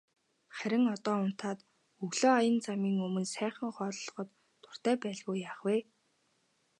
Харин одоо унтаад өглөө аян замын өмнө сайхан хооллоход дуртай байлгүй яах вэ.